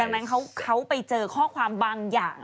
ดังนั้นเขาไปเจอข้อความบางอย่าง